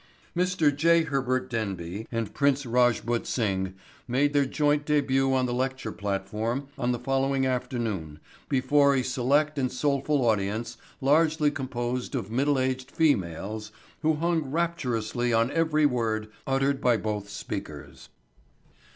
Mr. J. Herbert Denby and Prince Rajput Singh made their joint debut on the lecture platform on the following afternoon before a select and soulful audience largely composed of middle aged females who hung rapturously on every word uttered by both speakers.